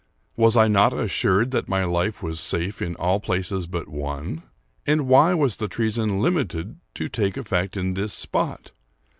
was I not assured that my life was safe in all places but one? And why was the treason limited to take effect in this spot?